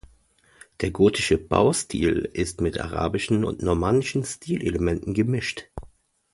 Der gotische Baustil ist mit arabischen und normannischen Stilelementen gemischt.